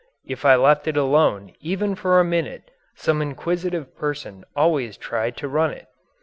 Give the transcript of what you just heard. If I left it alone even for a minute some inquisitive person always tried to run it.